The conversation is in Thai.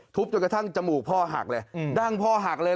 จนกระทั่งจมูกพ่อหักเลยดั้งพ่อหักเลย